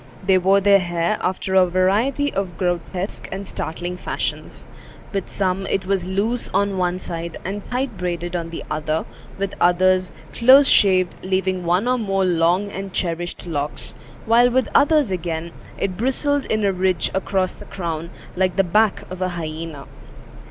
They wore their hair after a variety of grotesque and startling fashions. With some, it was loose on one side, and tight braided on the other; with others, close shaved, leaving one or more long and cherished locks; while, with others again, it bristled in a ridge across the crown, like the back of a hyena.